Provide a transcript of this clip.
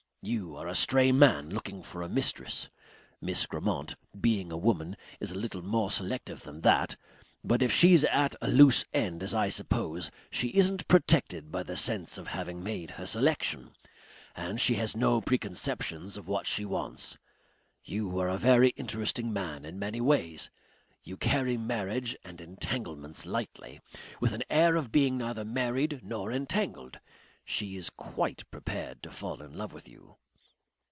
You're a stray man looking for a mistress. Miss Grammont being a woman is a little more selective than that. But if she's at a loose end as I suppose, she isn't protected by the sense of having made her selection. And she has no preconceptions of what she wants. You are a very interesting man in many ways. You carry marriage and entanglements lightly. With an air of being neither married nor entangled. She is quite prepared to fall in love with you."